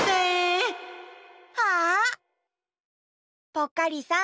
ぽっかりさん